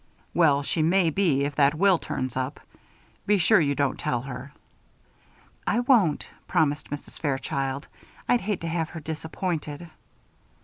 "Well, she may be, if that will turns up. Be sure you don't tell her." "I won't," promised Mrs. Fairchild. "I'd hate to have her disappointed."